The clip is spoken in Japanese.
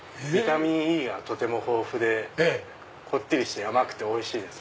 ビタミンＥがとても豊富でこってりして甘くておいしい。